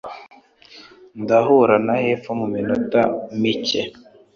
Ndahura na hepfo muminota mike.